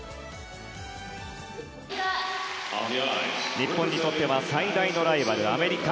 日本にとっては最大のライバル、アメリカ。